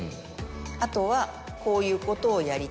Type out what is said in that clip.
あとはこういうことをやりたい